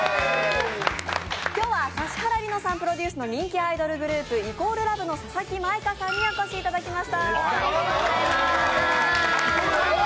指原莉乃さんプロデュースの人気アイドルグループ＝ＬＯＶＥの佐々木舞香さんにお越しいただきました。